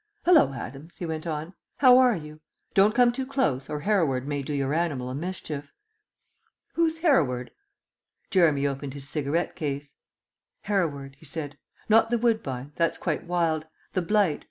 Hullo, Adams," he went on, "how are you? Don't come too close or Hereward may do your animal a mischief." "Who's Hereward?" Jeremy opened his cigarette case. "Hereward," he said. "Not the woodbine; that's quite wild. The blight.